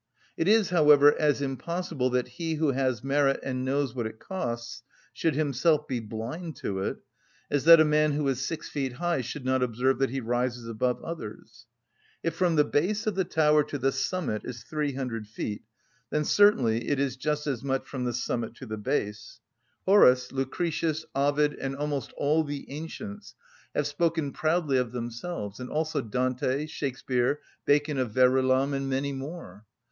It is, however, as impossible that he who has merit, and knows what it costs, should himself be blind to it, as that a man who is six feet high should not observe that he rises above others. If from the base of the tower to the summit is 300 feet, then certainly it is just as much from the summit to the base. Horace, Lucretius, Ovid, and almost all the ancients have spoken proudly of themselves, and also Dante, Shakspeare, Bacon of Verulam, and many more.